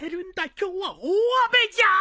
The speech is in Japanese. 今日は大雨じゃ